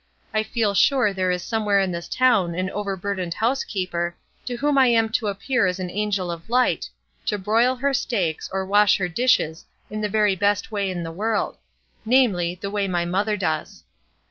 I feel sure there is somewhere in this town an overburdened housekeeper to whom I am to appear as an angel of Ught, to broil her steaks or wash her dishes in the very best way in the world ; namely, the way my mother does.